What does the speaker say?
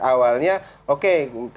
awalnya oke tkn enggak bersepakat